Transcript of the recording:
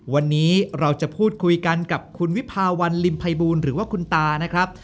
วันนี้เราจะพูดคุยกันกับคุณวิภาวันลิมภัยบูลหรือว่าคุณตานะครับ